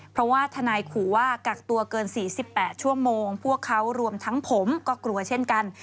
เพราะว่าทนายขู่ว่ากักตัวเกิน๔๘ชั่วโมงพวกเขารวมทั้งผมก็กลัวเช่นกัน